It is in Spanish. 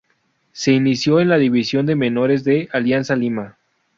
Se inició en la división de menores de Alianza Lima.